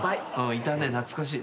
いたね懐かしい。